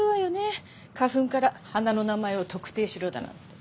花粉から花の名前を特定しろだなんて。